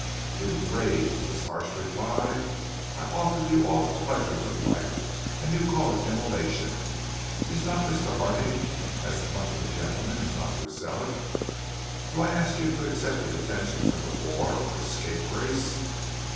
"'You rave,' was his harsh reply. 'I offer you all the pleasures of life, and you call it immolation. Is not Mr. Harding as much of a gentleman as Dr. Sellick? Do I ask you to accept the attentions of a boor or a scape grace?